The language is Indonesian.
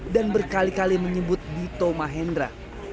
dan berkali kali menyebut dito mahendra